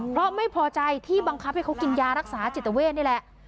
เพราะไม่พอใจที่บังคับให้เขากินยารักษาจิตเวทนี่แหละ